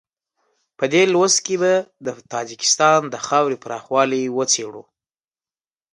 په دې لوست کې به د تاجکستان د خاورې پراخوالی وڅېړو.